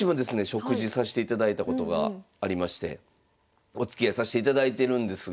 食事さしていただいたことがありましておつきあいさしていただいてるんですが。